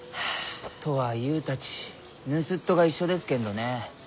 とはゆうたちぬすっとが一緒ですけんどねえ。